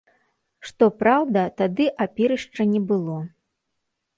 Што праўда, тады апірышча не было.